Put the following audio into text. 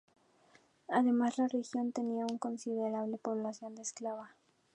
Además, la región tenía una considerable población eslava.